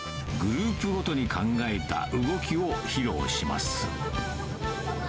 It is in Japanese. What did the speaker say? グループごとに考えた動きを披露します。